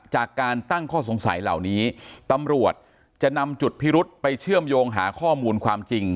จากการตั้งข้อสงสัยเหล่านี้ตำรวจจะนำจุดพิรุษไปเชื่อมโยงหาข้อมูลความจริง